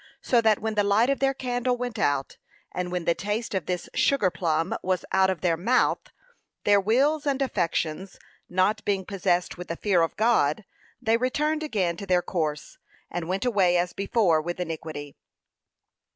So that when the light of their candle went out, and when the taste of this sugar plum was out of their mouth, their wills and affections, not being possessed with the fear of God, they returned again to their course, and went away as before with iniquity.